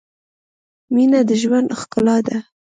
• مینه د ژوند ښکلا ده.